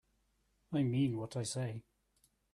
I mean what I say.